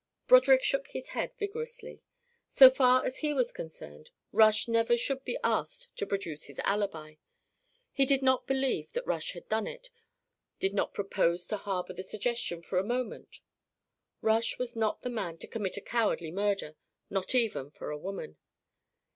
Broderick shook his head vigorously. So far as he was concerned, Rush never should be asked to produce his alibi. He did not believe that Rush had done it, did not propose to harbour the suggestion for a moment. Rush was not the man to commit a cowardly murder, not even for a woman.